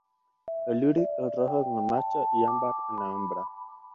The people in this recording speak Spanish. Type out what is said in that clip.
El iris es rojo en el macho y ámbar en la hembra.